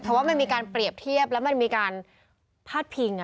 เพราะว่ามันมีการเปรียบเทียบแล้วมันมีการพาดพิง